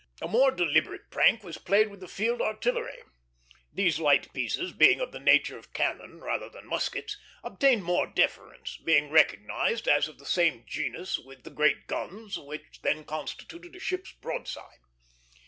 A more deliberate prank was played with the field artillery. These light pieces, being of the nature of cannon rather than muskets, obtained more deference, being recognized as of the same genus with the great guns which then constituted a ship's broadside.